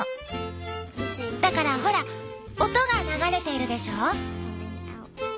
だからほら音が流れているでしょ？